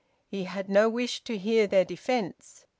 He had no wish to hear their defence.